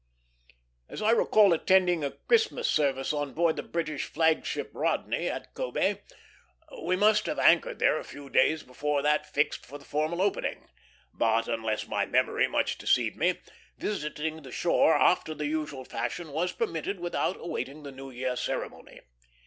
As I recall attending a Christmas service on board the British flag ship Rodney at Kobé, we must have anchored there a few days before that fixed for the formal opening; but, unless my memory much deceive me, visiting the shore after the usual fashion was permitted without awaiting the New Year ceremony.